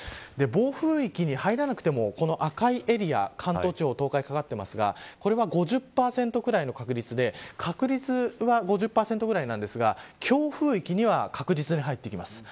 暴風域に入らなくてもこの赤いエリア、関東地方東海にかかっていますがこれは５０％ぐらいの確率で確率は５０％ぐらいなんですが強風域には確実に入ってきます。